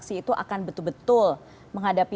terdapat spek tersebut yang menarik